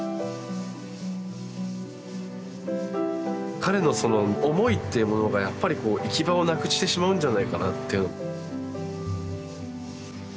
彼のその思いっていうものがやっぱり行き場をなくしてしまうんじゃないかなって。